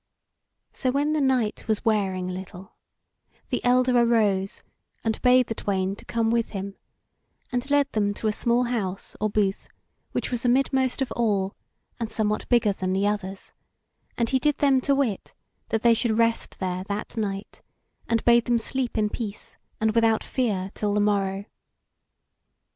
So when the night was wearing a little, the elder arose and bade the twain to come with him, and led them to a small house or booth, which was amidmost of all, and somewhat bigger than the others, and he did them to wit that they should rest there that night, and bade them sleep in peace and without fear till the morrow.